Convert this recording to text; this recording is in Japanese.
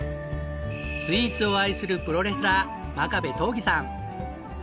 スイーツを愛するプロレスラー真壁刀義さん。